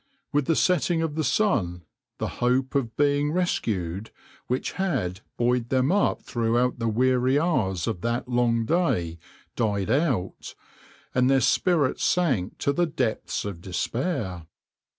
With the setting of the sun the hope of being rescued, which had buoyed them up throughout the weary hours of that long day, died out, and their spirits sank to the depths of despair.